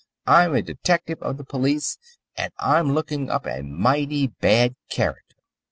I'm a detective of the police, and I'm looking up a mighty bad character."